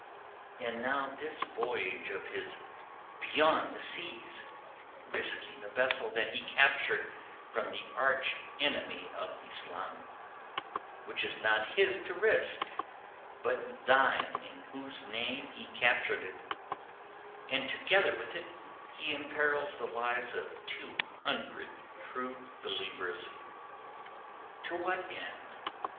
And now this voyage of his beyond the seas—risking a vessel that he captured from the arch enemy of Islam, which is not his to risk but thine in whose name he captured it; and together with it he imperils the lives of two hundred True Believers. To what end?